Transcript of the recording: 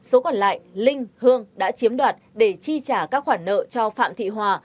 số còn lại linh hương đã chiếm đoạt để chi trả các khoản nợ cho phạm thị hòa